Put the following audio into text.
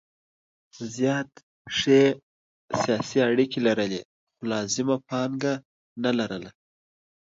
زیات ښې سیاسي اړیکې لرلې خو لازمه پانګه نه لرله.